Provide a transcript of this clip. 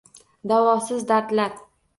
Davosiz dardlar